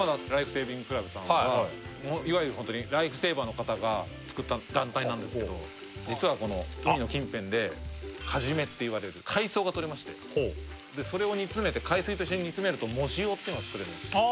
セービングクラブさんはいわゆるライフセーバーの方が作った団体なんですけど実は海の近辺でカジメっていわれる海藻がとれましてそれを煮詰めて海水と一緒に煮詰めると藻塩っていうのが作れるんですあ